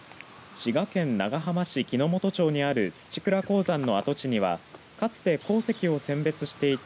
滋賀県長浜市木之本町にある土倉鉱山の跡地にはかつて鉱石を選別していた